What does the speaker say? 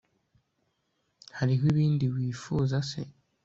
hariho ibindi wifuza se